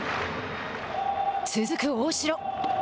続く大城。